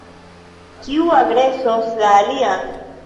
Kiu agresos la alian?